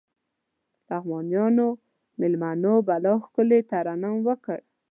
لغمانيو مېلمنو بلا ښکلی ترنم وکړ.